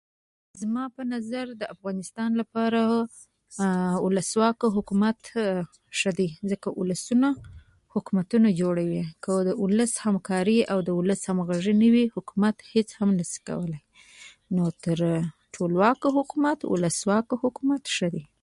زما په نظر د افغانستان لپاره ولسواکه حکومت ښه دی ځکه ولسونه حکومتونه جوړوي که د ولس همکاري او د ولس همغږي نه وي، حکومت هیڅ هم نشي کولی نو تر ټولواکه حکومت ولسواکه حکومت ښه دی.